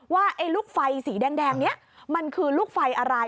ว่าไอ้ลูกไฟสีแดงนี้มันคือลูกไฟอะไร